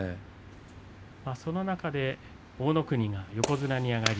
その中で大乃国が横綱に上がり